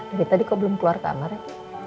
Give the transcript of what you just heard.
dari tadi kok belum keluar kamarnya